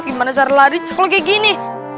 gimana cara larinya kalau kayak gini